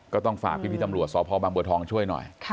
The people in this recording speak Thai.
ก็ต้องฝากพี่ตำรวจสพบางบัวทองช่วยหน่อย